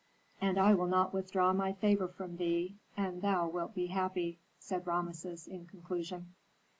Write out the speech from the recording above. "And I will not withdraw my favor from thee, and thou wilt be happy," said Rameses, in conclusion.